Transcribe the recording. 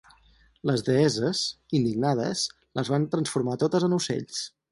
Les deesses, indignades, les van transformar totes en ocells.